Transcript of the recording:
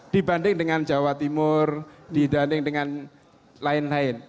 dengan jawa timur di danding dengan lain lain